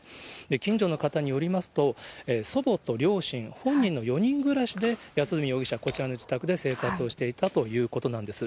近所の方によりますと、祖母と両親、本人の４人暮らしで、安栖容疑者、こちらの住宅で生活をしていたということなんです。